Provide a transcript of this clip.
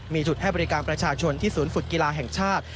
มีจุดให้บริการประชาชนที่ศูนย์ฝึกกีฬาแห่งชาติ